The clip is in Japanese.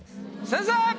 先生！